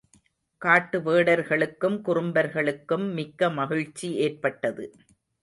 காட்டு வேடர்களுக்கும் குறும்பர்களுக்கும் மிக்க மகிழ்ச்சி ஏற்பட்டது.